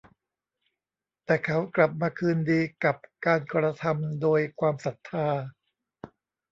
แต่เขากลับมาคืนดีกับการกระทำโดยความศรัทธา